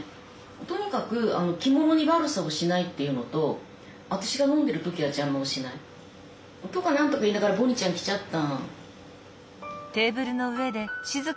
とにかく着物に悪さをしないっていうのと私が飲んでいる時は邪魔をしないとかなんとか言いながらボニーちゃん来ちゃった。